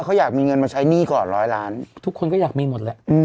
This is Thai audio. เขาอยากมีเงินมาใช้หนี้ก่อนร้อยล้านทุกคนก็อยากมีหมดแหละ